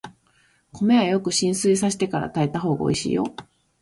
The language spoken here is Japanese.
米はよく浸水させてから炊いたほうがおいしいよ。